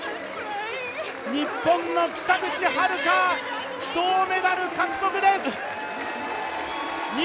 日本の北口榛花、銅メダル獲得です！